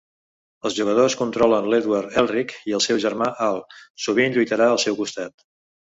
El jugadors controlen l'Edward Elric i el seu germà Al sovint lluitarà al seu costat.